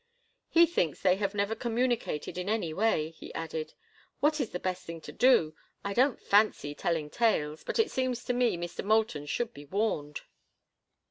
"He thinks they have never communicated in any way," he added. "What is the best thing to do? I don't fancy telling tales, but it seems to me Mr. Moulton should be warned."